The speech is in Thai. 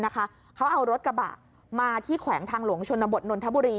เขาเอารถกระบะมาที่แขวงทางหลวงชนบทนนทบุรี